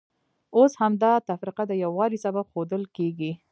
اوس همدا تفرقه د یووالي سبب ښودل کېږي.